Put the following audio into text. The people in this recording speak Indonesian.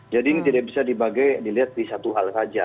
jadi ini tidak bisa dilihat di satu hal saja